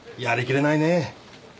やりきれないねぇ。